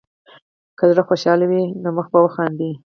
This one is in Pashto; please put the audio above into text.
که زړه خوشحال وي، نو مخ به وخاندي.